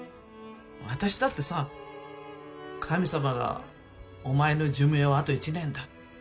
私だってさ神様が「お前の寿命はあと１年だ」